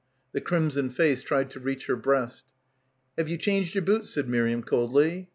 The crimson face tried to reach her breast. "Have you changed your boots," said Miriam coldly.